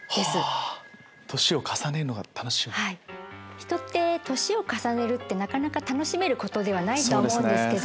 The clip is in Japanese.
人って年を重ねるってなかなか楽しめることではないとは思うんですけど。